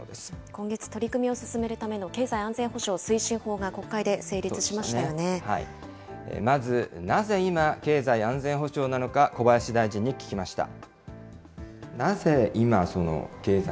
今月、取り組みを進めるための、経済安全保障推進法が国会でまず、なぜ今、経済安全保障なのか、小林大臣に聞きました。